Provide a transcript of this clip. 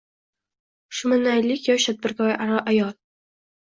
Shumanaylik yosh tadbirkor ayol